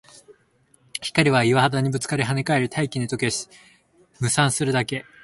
光は岩肌にぶつかり、跳ね返り、大気に溶け、霧散するだけ